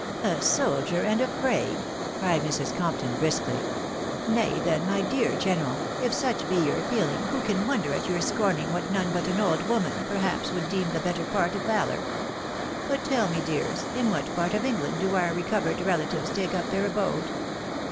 " 'A soldier, and afraid?' " cried Mrs. Compton, briskly. " Nay, then, my dear general, if such be your feeling, who can wonder at your scorning what none but an old woman, perhaps, would deem the better part of valour ? But tell me, dears, in what part of England do our recovered relatives take up their abode?"